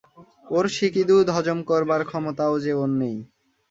ওর সিকি দুধ হজম করবার ক্ষমতাও যে ওর নেই।